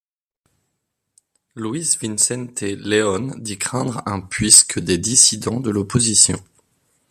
Luis Vicente Leon dit craindre un puisque des dissidents de l'opposition.